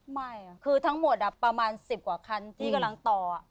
ไม่คือทั้งหมดประมาณ๑๐กว่าคันที่กำลังต่อ